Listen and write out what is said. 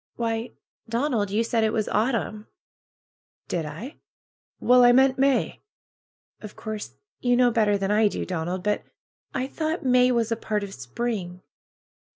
"Why, Donald, you said it was autumn!" "Did I? Well, I meant May." "Of course you know better than I do, Donald, but I thought May was a part of spring."